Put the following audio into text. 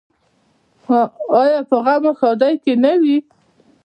آیا په غم او ښادۍ کې نه وي؟